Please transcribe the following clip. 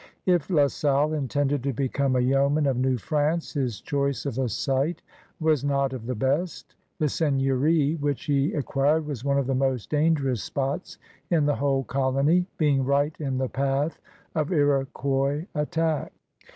If La Salle intended to become a yeoman of New France, his choice of a site was not of the best. The seigneury which he acquired was one of the most dangerous spots in the whole colony, being right in the path of Lx>quois attack.